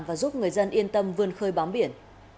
và giúp người dân yên tâm vươn khơi bám biển